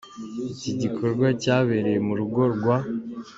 Iki gikorwa cyabereye mu rugo rwa.